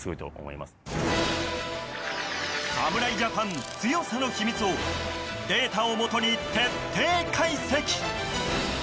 侍ジャパン、強さの秘密をデータをもとに徹底解析。